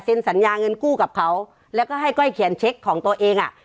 สัญญาเงินกู้กับเขาแล้วก็ให้ก้อยเขียนเช็คของตัวเองอ่ะ